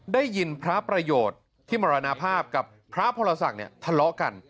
ได้ยินพระประโยชน์ที่มรณภาพกับพระพรศักดิ์เนี่ยทะเลาะกัน